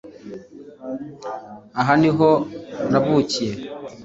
Aha niho navukiye